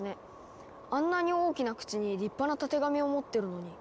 あんなに大きな口に立派なたてがみを持ってるのに。